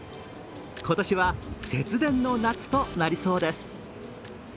今年は節電の夏となりそうです。